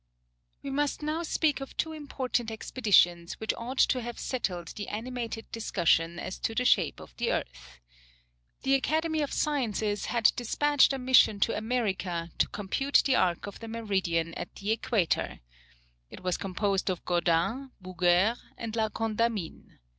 We must now speak of two important expeditions, which ought to have settled the animated discussion as to the shape of the earth. The Academy of Sciences had despatched a mission to America, to compute the arc of the meridian at the Equator. It was composed of Godin, Bouguer, and La Condamine.